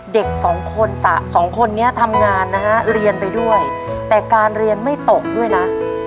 เด็กสองคนสองคนนี้ทำงานนะฮะเรียนไปด้วยแต่การเรียนไม่ตกด้วยนะ